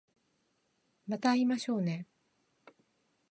また会いましょうね